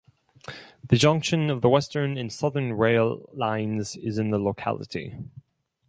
The junction of the western and southern rail lines is in the locality.